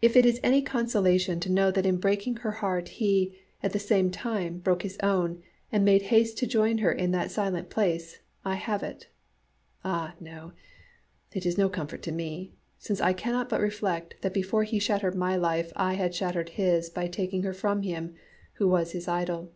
If it is any consolation to know that in breaking her heart he, at the same time, broke his own, and made haste to join her in that silent place, I have it. Ah no! it is no comfort to me, since I cannot but reflect that before he shattered my life I had shattered his by taking her from him, who was his idol.